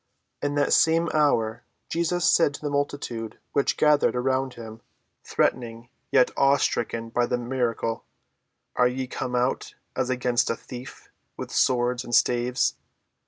In that same hour Jesus said to the multitude which gathered about him, threatening, yet awe‐stricken by the miracle, "Are ye come out, as against a thief, with swords and staves?